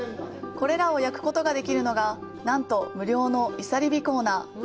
これらを焼くことができるのが、なんと無料の漁火コーナー。